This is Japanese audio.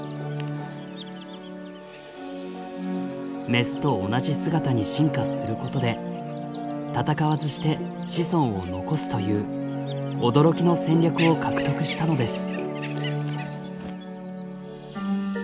メスと同じ姿に進化することで戦わずして子孫を残すという驚きの戦略を獲得したのです。